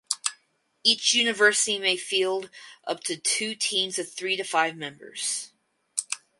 Each university may field up to two teams of three to five members.